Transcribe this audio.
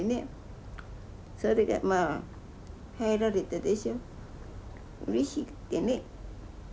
それがまあ入られたでしょうれしくてね。